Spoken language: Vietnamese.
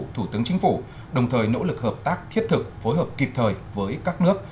thủ tướng chính phủ đồng thời nỗ lực hợp tác thiết thực phối hợp kịp thời với các nước